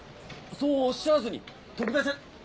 そうおっしゃらずに徳田社。